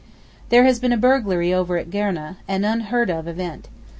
There has been a burglary over at Gourneh, an unheard of event.